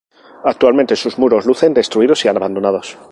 Actualmente, sus muros lucen destruidos y abandonados.